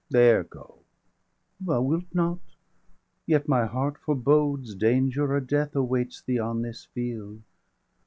° °85 There go°! Thou wilt not? Yet my heart forebodes °86 Danger or death awaits thee on this field.